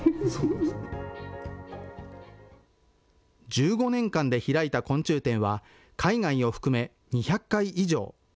１５年間で開いた昆虫展は海外を含め２００回以上。